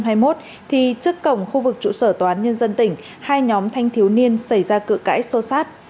thì trước cổng khu vực chủ sở tòa án nhân dân tỉnh hai nhóm thanh thiếu niên xảy ra cửa cãi sô sát